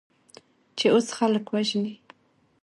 چې اوس خلک وژنې؟